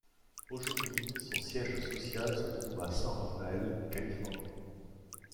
Aujourd'hui, son siège social se trouve à San Rafael, Californie.